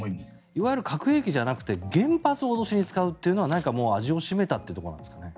いわゆる核兵器じゃなくて原発を脅しに使うというのは何か味を占めたというところですかね？